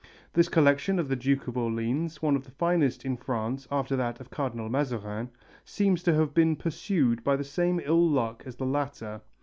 This collection of the Duke of Orleans, one of the finest in France after that of Cardinal Mazarin, seems to have been pursued by the same ill luck as the latter.